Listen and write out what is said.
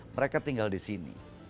mereka tinggal di sini